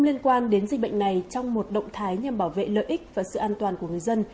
liên quan đến dịch bệnh này trong một động thái nhằm bảo vệ lợi ích và sự an toàn của người dân